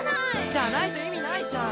じゃないと意味ないじゃん！